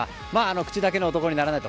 口だけの男にならないと。